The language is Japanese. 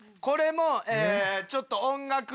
これもちょっと音楽。